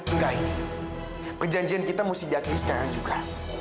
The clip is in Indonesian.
enggak indi perjanjian kita mesti diakili sekarang juga